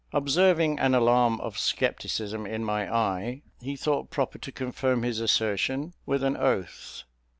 Observing an alarm of scepticism in my eye, he thought proper to confirm his assertion with an oath.